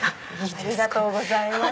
ありがとうございます。